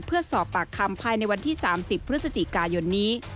เพื่อสอบปากคำภายในวันที่๓๐พฤศจิกายนนี้